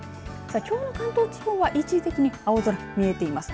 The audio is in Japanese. きょうの関東地方は一時的に青空、見えています。